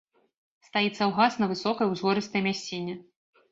Стаіць саўгас на высокай, узгорыстай мясціне.